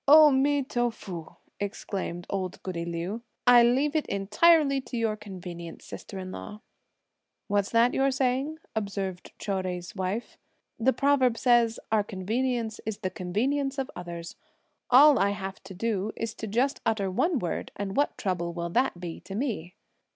"O mi to fu!" exclaimed old goody Liu; "I leave it entirely to your convenience, sister in law." "What's that you're saying?" observed Chou Jui's wife. "The proverb says: 'Our convenience is the convenience of others.' All I have to do is to just utter one word, and what trouble will that be to me."